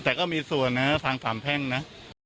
แต่ก็มีส่วนนะทางสามแพ่งนะ